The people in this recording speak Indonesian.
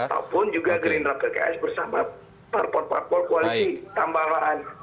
ataupun juga gerindra pks bersama parpol parpol koalisi tambahan